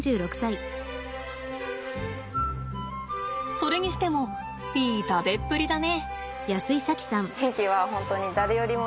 それにしてもいい食べっぷりだね。